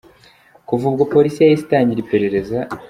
Kuva ubwo Police yahise itangira iperereza.